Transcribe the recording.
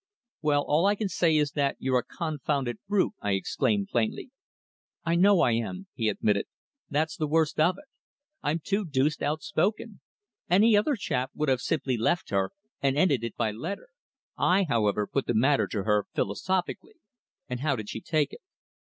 "Well, all I can say is that you're a confounded brute," I exclaimed plainly. "I know I am," he admitted. "That's the worst of it. I'm too deuced outspoken. Any other chap would have simply left her and ended it by letter. I, however, put the matter to her philosophically." "And how did she take it?"